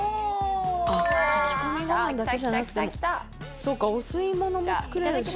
そうかお吸い物も作れるし。